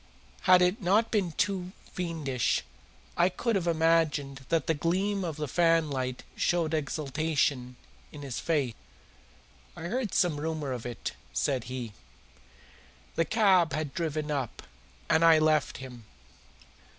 Had it not been too fiendish, I could have imagined that the gleam of the fanlight showed exultation in his face. "I heard some rumour of it," said he. The cab had driven up, and I left him.